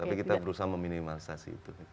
tapi kita berusaha meminimalisasi itu